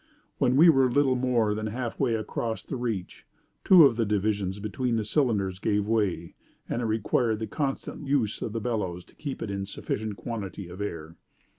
When we were a little more than half way across the reach, two of the divisions between the cylinders gave way, and it required the constant use of the bellows to keep in a sufficient quantity of air.